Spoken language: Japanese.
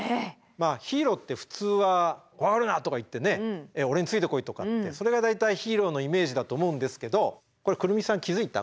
ヒーローって普通は「怖がるな！」とか言ってね「俺についてこい」とかってそれが大体ヒーローのイメージだと思うんですけどこれ来美さん気付いた？